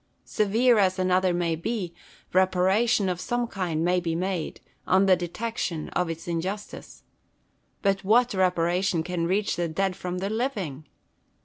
Severe as another may be, reparation of some kind may be made, on the detection of its injustice. But what reparation can reach the dead from the living